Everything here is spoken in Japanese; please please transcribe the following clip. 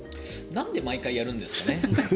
なんで毎回やるんですかね。